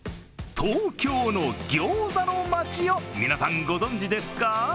東京のギョーザの街を皆さんご存じですか？